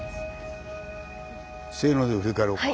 「せの」で振り返ろうか。